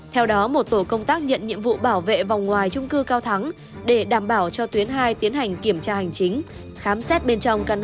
theo đó một tổ công tác nhận nhiệm vụ bảo vệ vòng ngoài trung cư cao thắng để đảm bảo cho tuyến hai tiến hành kiểm tra hành chính khám xét bên trong căn hộ năm trăm linh một